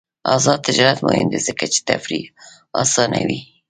آزاد تجارت مهم دی ځکه چې تفریح اسانوي.